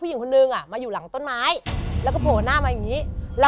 คุณพ่อเป็นฆาตราชการอยู่ที่สัตหีพ